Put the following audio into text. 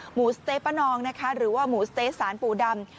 หมูสะเต๊ป้านองนะคะหรือว่าหมูสเต๊ะสารปู่ดำ